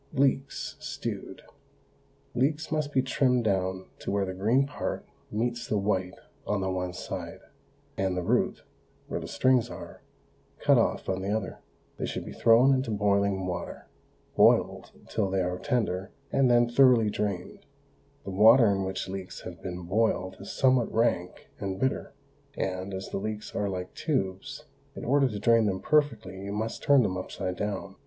LEEKS, STEWED. Leeks must be trimmed down to where the green part meets the white on the one side, and the root, where the strings are, cut off on the other. They should be thrown into boiling water, boiled till they are tender, and then thoroughly drained. The water in which leeks have been boiled is somewhat rank and bitter, and, as the leeks are like tubes, in order to drain them perfectly you must turn them upside down.